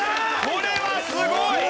これはすごい！